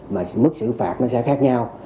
mức xử phạt sẽ khác nhau